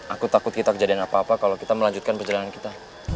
aku takut kita kejadian apa apa kalau kita melanjutkan perjalanan kita